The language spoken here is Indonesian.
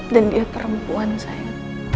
dan dia perempuan sayang